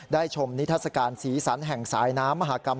ได้ชมนิทธศการศรีสรรค์แห่งสายน้ำมหากรรม